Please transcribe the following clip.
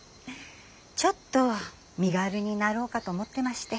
ちょっと身軽になろうかと思ってまして。